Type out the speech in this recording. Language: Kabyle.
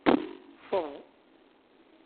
Sseḍ.